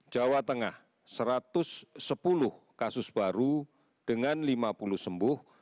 jawa tengah satu ratus sepuluh kasus baru dengan lima puluh sembuh